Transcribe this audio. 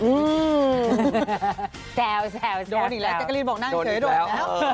แซวโดนอีกแล้วแจ๊กรีนบอกนั่งเฉยโดนแล้ว